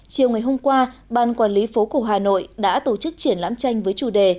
chiều ngày hôm qua ban quản lý phố cổ hà nội đã tổ chức triển lãm tranh với chủ đề